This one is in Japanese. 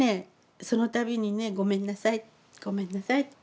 その度にねごめんなさいごめんなさい